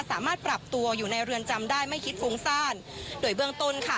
สามารถปรับตัวอยู่ในเรือนจำได้ไม่คิดฟุ้งซ่านโดยเบื้องต้นค่ะ